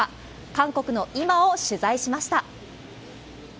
韓国の今を取材しました。